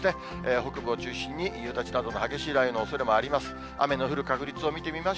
北部を中心に夕立などの激しい雷雨のおそれもあります。